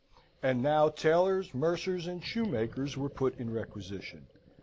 And now tailors, mercers, and shoemakers were put in requisition.